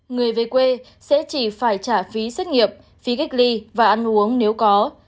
người về quê sẽ chỉ phải trả phí xét nghiệm phí cách ly và ăn uống nếu có